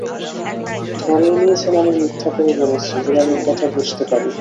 ধরেই নিয়েছেন আমি মিথ্যা করে বলেছি-বিড়ালের কথা বুঝতে পারি।